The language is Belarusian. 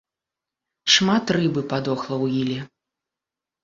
Шмат рыбы падохла ў іле.